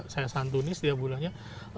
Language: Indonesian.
saya santuni setiap bulannya